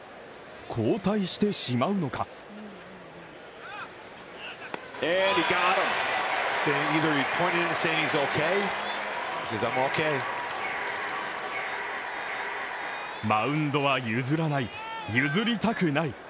交代してしまうのかマウンドは譲らない、譲りたくない。